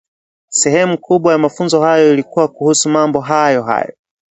Sehemu kubwa ya mafunzo hayo ilikuwa kuhusu mambo hayo hayo